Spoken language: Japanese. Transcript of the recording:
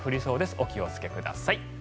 お気をつけください。